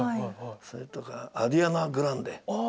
それとかアリアナ・グランデ。